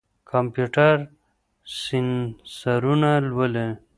کمپيوټر سېنسرونه لولي.